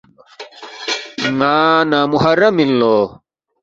ن٘ا نامحرم اِن لو